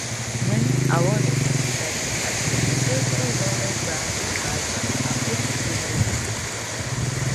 When awarded as such, a silver laurel branch device was affixed to the ribbon.